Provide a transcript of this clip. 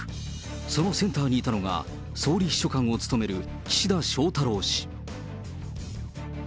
そのセンターにいたのが、総理秘書官を務める岸田翔太郎氏。